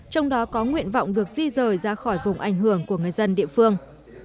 trong đó có nguyện vọng được di rời ra khỏi vùng ảnh hưởng của người dân địa phương